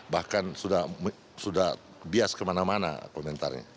bahkan sudah bias kemana mana komentarnya